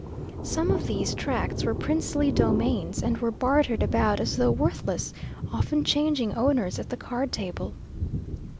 Some of these tracts were princely domains, and were bartered about as though worthless, often changing owners at the card table.